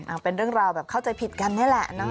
เป็นเรื่องราวแบบเข้าใจผิดกันนี่แหละนะ